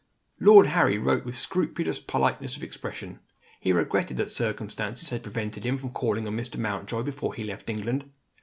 Lord Harry wrote with scrupulous politeness of expression. He regretted that circumstances had prevented him from calling on Mr. Mountjoy, before he left England.